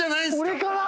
俺から？